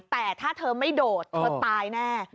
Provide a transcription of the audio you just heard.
แต่ถ้าเธอไม่โดดเธอตายแน่